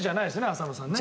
浅野さんね？